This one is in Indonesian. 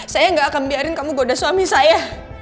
saya gak akan biarin kamu goda suami saya